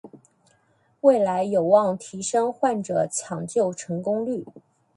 未来有望提升患者抢救成功率